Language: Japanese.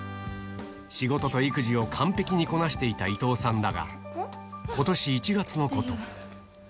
仕事と育児を完璧にこなしていた伊藤さんだが、ことし１月のこと。